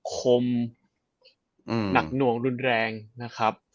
คมหนักหน่วงรุนแรงนะครับ